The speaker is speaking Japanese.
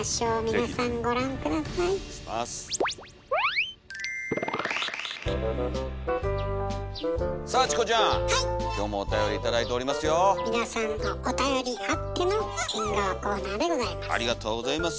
皆さんのおたよりあっての縁側コーナーでございます。